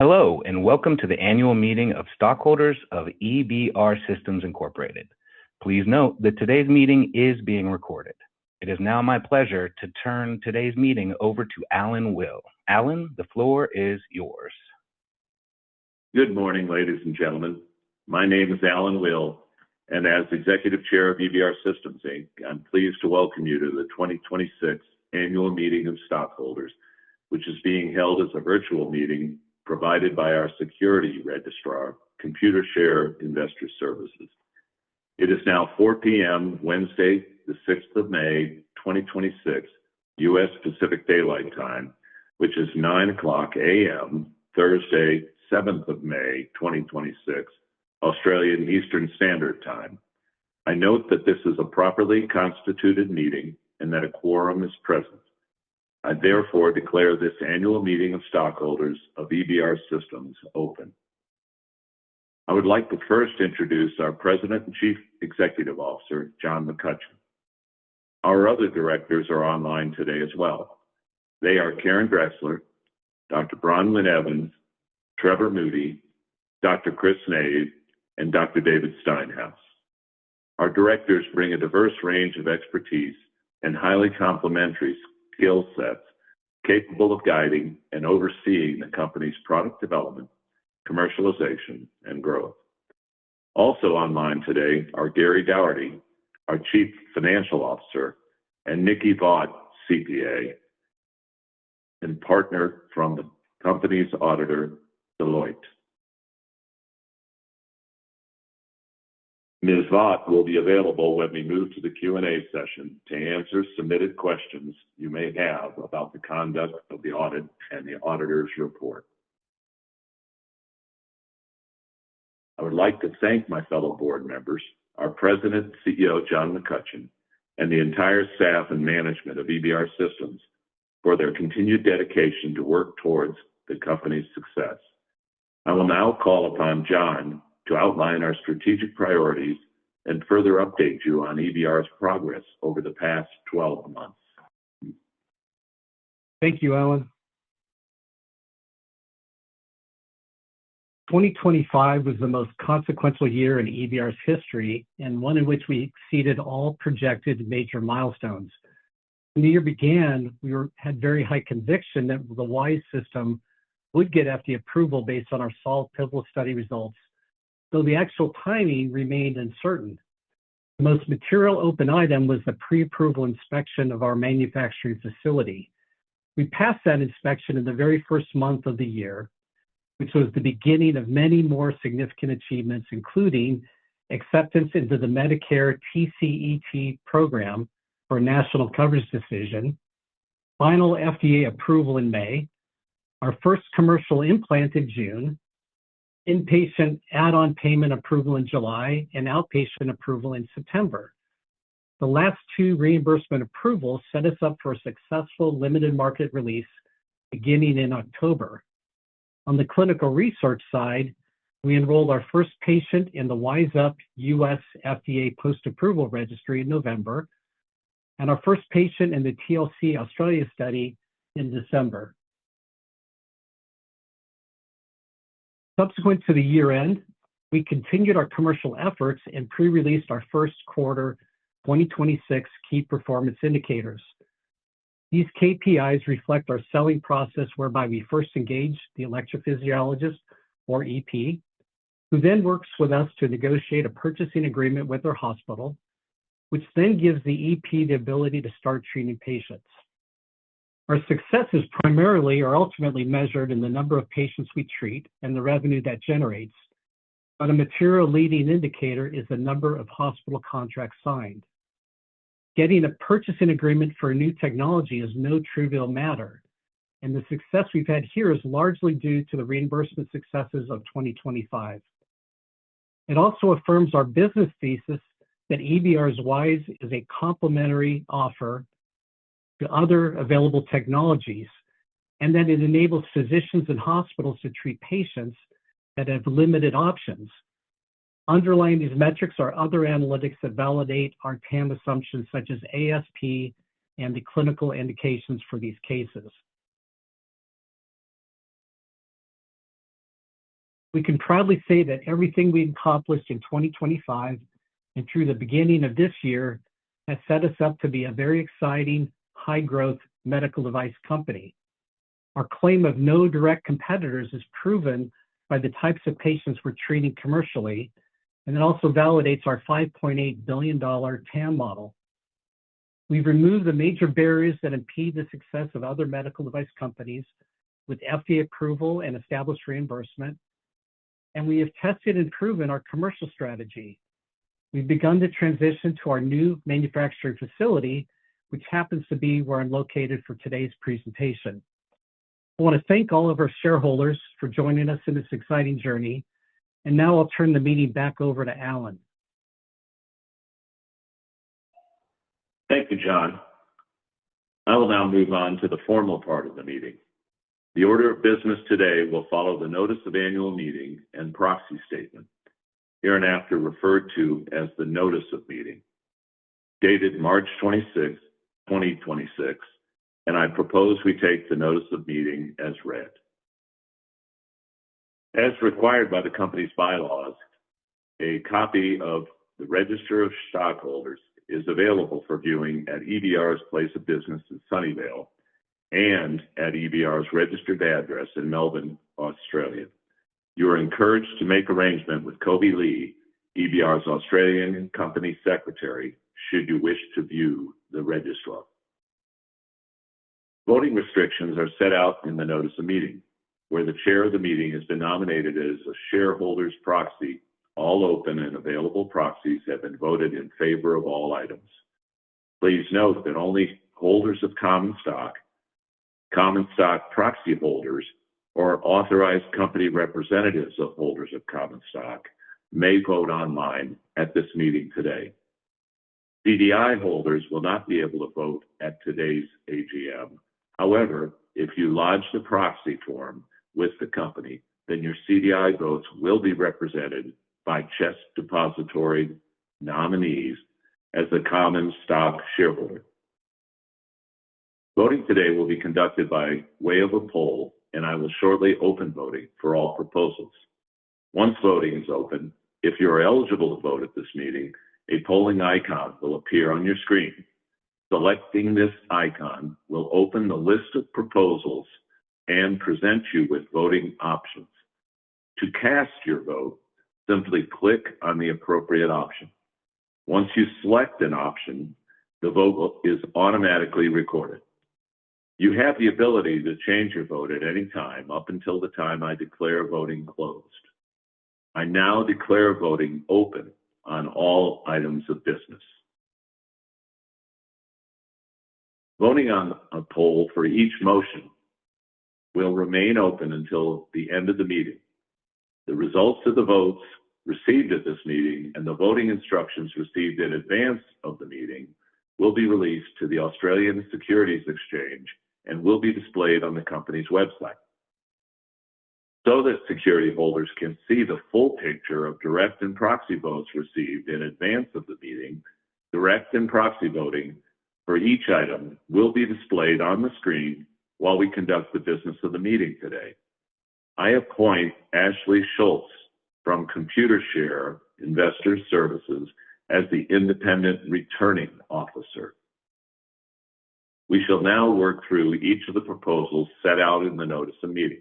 Hello, welcome to the annual meeting of stockholders of EBR Systems Incorporated. Please note that today's meeting is being recorded. It is now my pleasure to turn today's meeting over to Allan Will. Allan, the floor is yours. Good morning, ladies and gentlemen. My name is Allan Will, and as Executive Chair of EBR Systems, Inc., I am pleased to welcome you to the 2026 Annual Meeting of Stockholders, which is being held as a virtual meeting provided by our security registrar, Computershare Investor Services. It is now 4:00 P.M., Wednesday, May 6th, 2026, U.S. Pacific Daylight Time, which is 9:00 A.M., Thursday, May 7th, 2026, Australian Eastern Standard Time. I note that this is a properly constituted meeting and that a quorum is present. I therefore declare this annual meeting of stockholders of EBR Systems open. I would like to first introduce our President and Chief Executive Officer, John McCutcheon. Our other directors are online today as well. They are Karen Drexler, Dr. Bronwyn Evans, Trevor Moody, Dr. Christopher Nave, and Dr. David Steinhaus. Our directors bring a diverse range of expertise and highly complementary skill sets capable of guiding and overseeing the company's product development, commercialization, and growth. Also online today are Gary Doherty, our Chief Financial Officer, and Nikki Vaught, CPA, and Partner from the company's auditor, Deloitte. Ms. Vaught will be available when we move to the Q&A session to answer submitted questions you may have about the conduct of the audit and the auditor's report. I would like to thank my fellow Board members, our President and CEO, John McCutcheon, and the entire staff and management of EBR Systems for their continued dedication to work towards the company's success. I will now call upon John to outline our strategic priorities and further update you on EBR's progress over the past 12 months. Thank you, Allan. 2025 was the most consequential year in EBR Systems's history and one in which we exceeded all projected major milestones. When the year began, we had a very high conviction that the WiSE System would get FDA approval based on our solid pivotal study results, though the actual timing remained uncertain. The most material open item was the pre-approval inspection of our manufacturing facility. We passed that inspection in the very first month of the year, which was the beginning of many more significant achievements, including acceptance into the Medicare TCET program for national coverage decision, final FDA approval in May, our first commercial implant in June, inpatient add-on payment approval in July, and outpatient approval in September. The last two reimbursement approvals set us up for a successful limited market release beginning in October. On the clinical research side, we enrolled our first patient in the WiSE-UP U.S. FDA post-approval registry in November and our first patient in the TLC-AU study in December. Subsequent to the year-end, we continued our commercial efforts and pre-released our first quarter 2026 key performance indicators. These KPIs reflect our selling process, whereby we first engage the electrophysiologist, or EP, who then works with us to negotiate a purchasing agreement with their hospital, which then gives the EP the ability to start treating patients. Our successes are ultimately measured in the number of patients we treat and the revenue that is generated, but a material leading indicator is the number of hospital contracts signed. Getting a purchasing agreement for a new technology is no trivial matter, and the success we've had here is largely due to the reimbursement successes of 2025. It also affirms our business thesis that EBR's WiSE is a complementary offer to other available technologies and that it enables physicians and hospitals to treat patients who have limited options. Underlying these metrics are other analytics that validate our TAM assumptions, such as ASP and the clinical indications for these cases. We can proudly say that everything we accomplished in 2025 and through the beginning of this year has set us up to be a very exciting high-growth medical device company. Our claim of no direct competitors is proven by the types of patients we're treating commercially, and it also validates our $5.8 billion TAM model. We've removed the major barriers that impede the success of other medical device companies with FDA approval and established reimbursement, and we have tested and proven our commercial strategy. We've begun to transition to our new manufacturing facility, which happens to be where I'm located for today's presentation. I want to thank all of our shareholders for joining us in this exciting journey. Now I'll turn the meeting back over to Allan. Thank you, John McCutcheon. I will now move on to the formal part of the meeting. The order of business today will follow the Notice of Annual Meeting and Proxy Statement, hereinafter referred to as the Notice of Meeting, dated March 26th, 2026. I propose we take the Notice of Meeting as read. As required by the company's bylaws, a copy of the register of stockholders is available for viewing at EBR's place of business in Sunnyvale and at EBR's registered address in Melbourne, Australia. You are encouraged to make arrangements with Kobe Li, EBR's Australian company secretary, should you wish to view the register. Voting restrictions are set out in the Notice of Meeting, where the chair of the meeting has been nominated as a shareholder's proxy. All open and available proxies have voted in favor of all items. Please note that only holders of common stock, common stock proxy holders, or authorized company representatives of holders of common stock may vote online at this meeting today. CDI holders will not be able to vote at today's AGM. However, if you lodge the proxy form with the company, then your CDI votes will be represented by CHESS Depositary Nominees as a common stock shareholder. Voting today will be conducted by way of a poll, and I will shortly open voting for all proposals. Once voting is open, if you are eligible to vote at this meeting, a polling icon will appear on your screen. Selecting this icon will open the list of proposals and present you with voting options. To cast your vote, simply click on the appropriate option. Once you select an option, the vote is automatically recorded. You have the ability to change your vote at any time up until the time I declare voting closed. I now declare voting open on all items of business. Voting on a poll for each motion will remain open until the end of the meeting. The results of the votes received at this meeting and the voting instructions received in advance of the meeting will be released to the Australian Securities Exchange and will be displayed on the company's website. That security holders can see the full picture of direct and proxy votes received in advance of the meeting, direct and proxy voting for each item will be displayed on the screen while we conduct the business of the meeting today. I appoint Ashley Schulz from Computershare Investor Services as the independent returning officer. We shall now work through each of the proposals set out in the notice of meeting.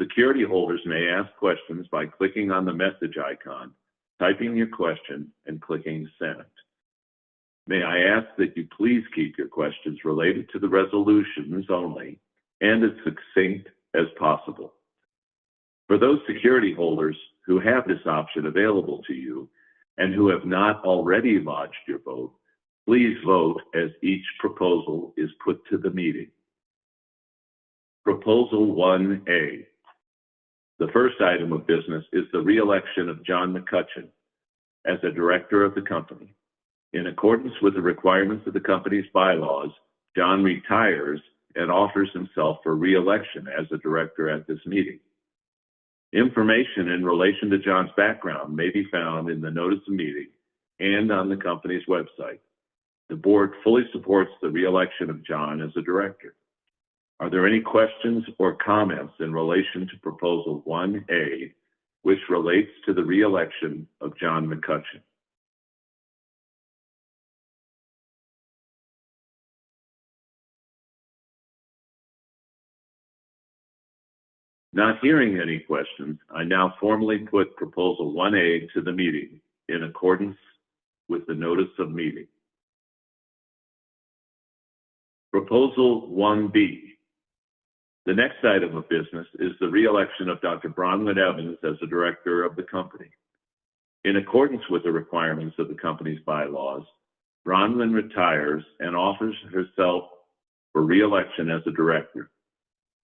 Security holders may ask questions by clicking on the message icon, typing their question, and clicking Send. May I ask that you please keep your questions related to the resolutions only and as succinct as possible? For those security holders who have this option available to you and who have not already lodged your vote, please vote as each proposal is put to the meeting. Proposal 1-A. The first item of business is the re-election of John McCutcheon as a Director of the company. In accordance with the requirements of the company's bylaws, John retires and offers himself for re-election as a Director at this meeting. Information in relation to John's background may be found in the notice of meeting and on the company's website. The board fully supports the re-election of John as a director. Are there any questions or comments in relation to Proposal 1-A, which relates to the re-election of John McCutcheon? Not hearing any questions, I now formally put Proposal 1-A to the meeting in accordance with the notice of meeting. Proposal 1-B. The next item of business is the re-election of Dr. Bronwyn Evans as a director of the company. In accordance with the requirements of the company's bylaws, Bronwyn retires and offers herself for re-election as a director.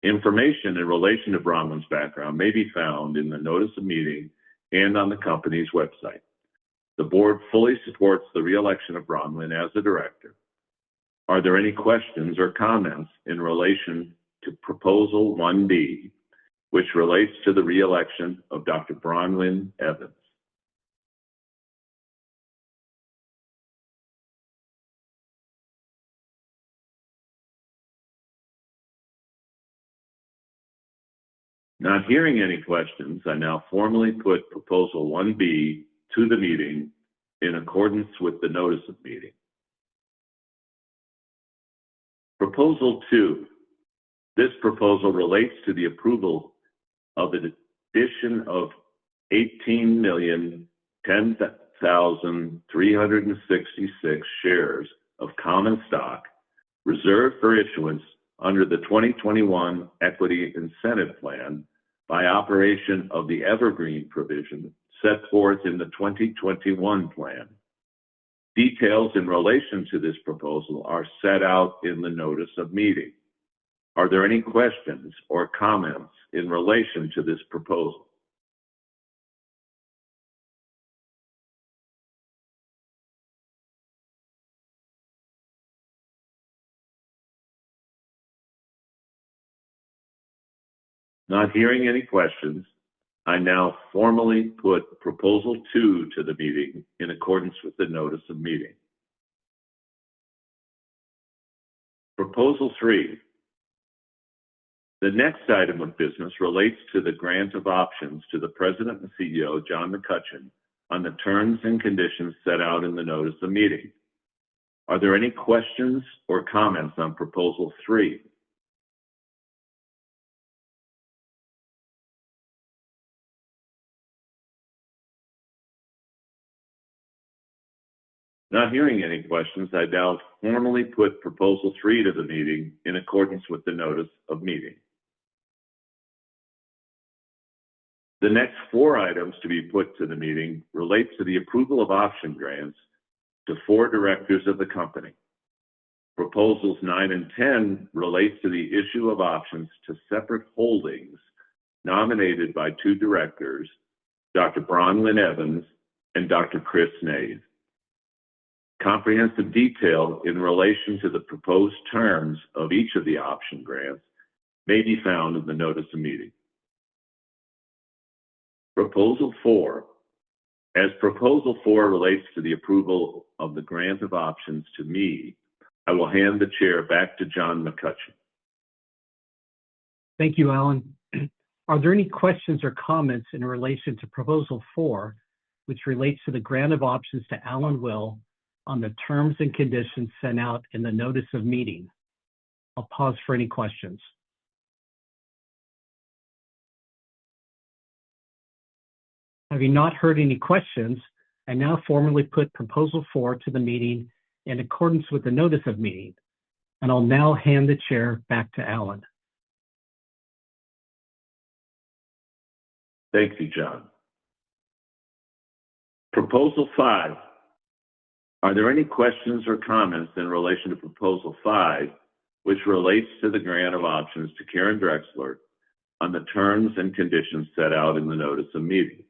Information in relation to Bronwyn's background may be found in the notice of meeting and on the company's website. The board fully supports the re-election of Bronwyn as a director. Are there any questions or comments in relation to Proposal 1-B, which relates to the re-election of Dr. Bronwyn Evans? Not hearing any questions, I now formally put Proposal 1-B to the meeting in accordance with the notice of meeting. Proposal 2. This proposal relates to the approval of an addition of 18,010,366 shares of common stock reserved for issuance under the 2021 Equity Incentive Plan by operation of the evergreen provision set forth in the 2021 plan. Details in relation to this proposal are set out in the notice of meeting. Are there any questions or comments in relation to this proposal? Not hearing any questions, I now formally put Proposal 2 to the meeting in accordance with the notice of meeting. Proposal 3. The next item of business relates to the grant of options to the President and CEO, John McCutcheon, on the terms and conditions set out in the notice of meeting. Are there any questions or comments on Proposal 3? Not hearing any questions, I now formally put Proposal 3 to the meeting in accordance with the notice of meeting. The next four items to be put to the meeting relate to the approval of option grants to four directors of the company. Proposals 9 and 10 relate to the issue of options to separate holdings nominated by two directors, Dr Bronwyn Evans and Dr Christopher Nave. Comprehensive details in relation to the proposed terms of each of the option grants may be found in the notice of meeting. Proposal 4. As Proposal 4 relates to the approval of the grant of options to me, I will hand the chair back to John McCutcheon. Thank you, Allan. Are there any questions or comments in relation to Proposal 4, which relates to the grant of options to Allan Will on the terms and conditions set out in the notice of meeting? I'll pause for any questions. Having not heard any questions, I now formally put Proposal 4 to the meeting in accordance with the notice of meeting. I'll now hand the chair back to Allan. Thank you, John. Proposal 5. Are there any questions or comments in relation to Proposal 5, which relates to the grant of options to Karen Drexler on the terms and conditions set out in the notice of meeting?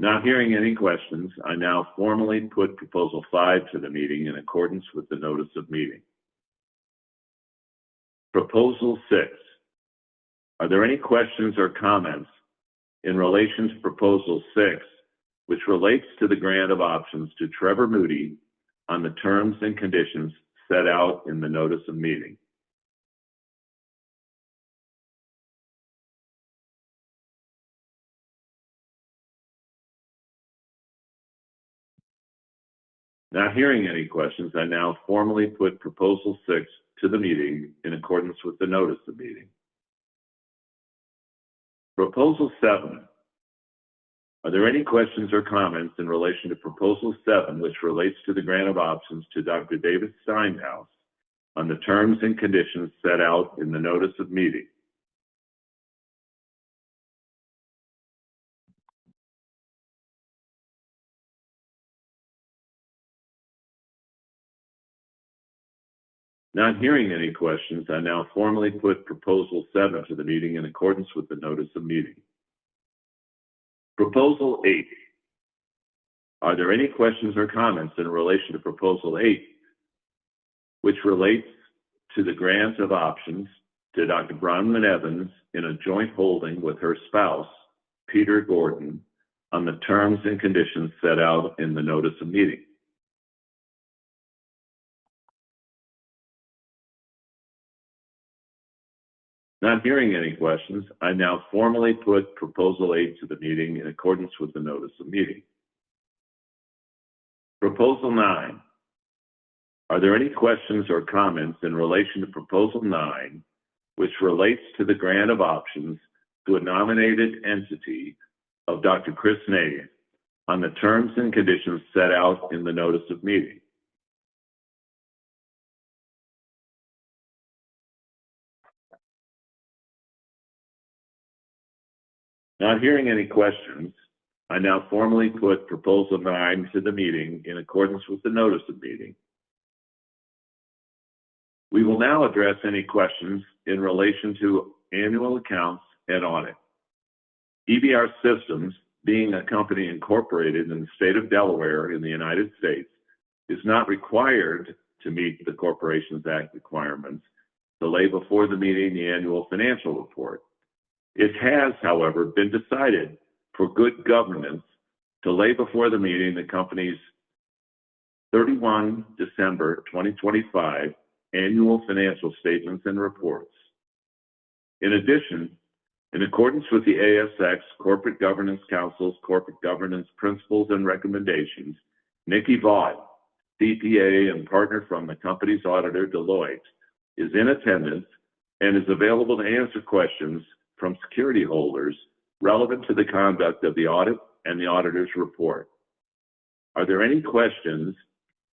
Not hearing any questions, I now formally put Proposal 5 to the meeting in accordance with the notice of meeting. Proposal 6. Are there any questions or comments in relation to Proposal 6, which relates to the grant of options to Trevor Moody on the terms and conditions set out in the notice of meeting? Not hearing any questions, I now formally put Proposal 6 to the meeting in accordance with the notice of meeting. Proposal 7. Are there any questions or comments in relation to Proposal 7, which relates to the grant of options to Dr. David Steinhaus, on the terms and conditions set out in the notice of meeting? Not hearing any questions, I now formally put proposal seven to the meeting in accordance with the notice of meeting. Proposal 8. Are there any questions or comments in relation to Proposal 8, which relates to the grant of options to Dr. Bronwyn Evans in a joint holding with her spouse, Peter Gordon, on the terms and conditions set out in the notice of meeting? Not hearing any questions, I now formally put Proposal 8 to the meeting in accordance with the notice of meeting. Proposal 9. Are there any questions or comments in relation to Proposal 9, which relates to the grant of options to a nominated entity of Dr. Christopher Nave on the terms and conditions set out in the notice of meeting? Not hearing any questions, I now formally put Proposal 9 to the meeting in accordance with the notice of meeting. We will now address any questions in relation to the annual accounts and audit. EBR Systems, being a company incorporated in the state of Delaware in the United States, is not required to meet the Corporations Act requirements to lay before the meeting the annual financial report. It has, however, been decided for good governance to lay before the meeting the company's December 31, 2025, annual financial statements and reports. In addition, in accordance with the ASX Corporate Governance Council's corporate governance principles and recommendations, Nikki Vaught, CPA, and partner from the company's auditor, Deloitte, is in attendance and is available to answer questions from security holders relevant to the conduct of the audit and the auditor's report. Are there any questions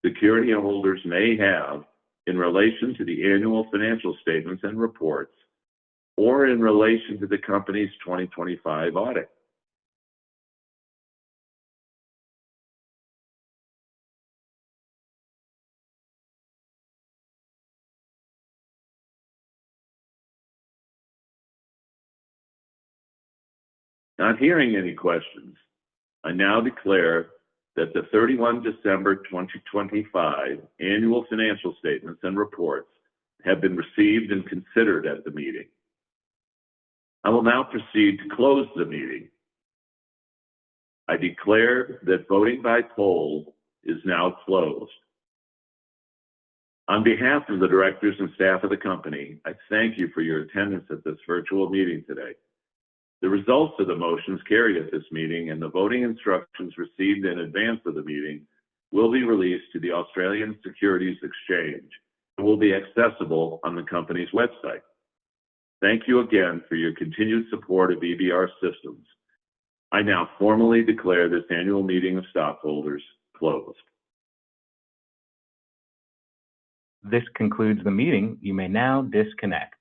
security holders may have in relation to the annual financial statements and reports, or in relation to the company's 2025 audit? Not hearing any questions, I now declare that the December 31, 2025, annual financial statements and reports have been received and considered at the meeting. I will now proceed to close the meeting. I declare that voting by poll is now closed. On behalf of the directors and staff of the company, I thank you for your attendance at this virtual meeting today. The results of the motions carried at this meeting and the voting instructions received in advance of the meeting will be released to the Australian Securities Exchange and will be accessible on the company's website. Thank you again for your continued support of EBR Systems. I now formally declare this annual meeting of stockholders closed. This concludes the meeting. You may now disconnect.